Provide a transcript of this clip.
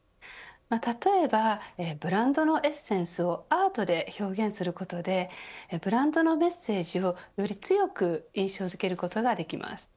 例えばブランドのエッセンスをアートで表現することでブランドのメッセージをより強く印象づけることができます。